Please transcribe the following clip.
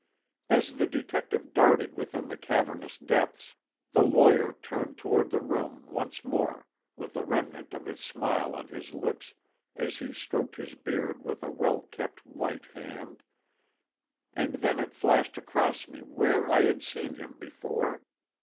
As the detective darted within the cavernous depths, the lawyer turned toward the room once more with a remnant of his smile on his lips as he stroked his beard with a well kept white hand. And then it flashed across me where I had seen him before.